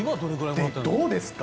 どうですか？